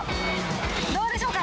どうでしょうか。